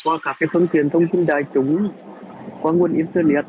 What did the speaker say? qua các phương tiện thông tin đại chúng qua nguồn internet